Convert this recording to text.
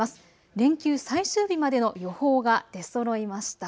連休最終日までの予報が出そろいました。